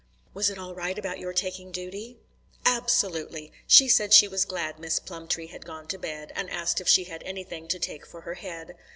"Was it all right about your taking duty?" "Ab solutely. Said she was glad Miss Plumtree had gone to bed, and asked if she had anything to take for her head."